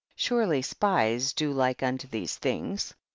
surely spies do like unto these things.